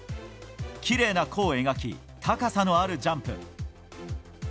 きれいな弧を描き高さのあるジャンプ。